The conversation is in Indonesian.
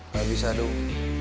gak bisa duk